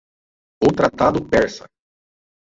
O Tratado Persa